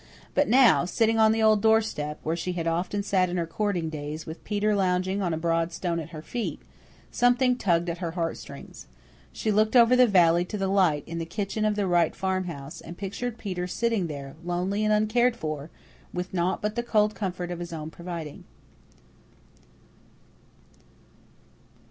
But now, sitting on the old doorstep, where she had often sat in her courting days, with Peter lounging on a broad stone at her feet, something tugged at her heartstrings. She looked over the valley to the light in the kitchen of the Wright farmhouse, and pictured Peter sitting there, lonely and uncared for, with naught but the cold comfort of his own providing.